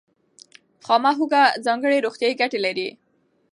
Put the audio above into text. خامه هوږه ځانګړې روغتیایي ګټې لري.